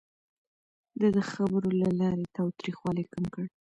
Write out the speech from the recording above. ده د خبرو له لارې تاوتريخوالی کم کړ.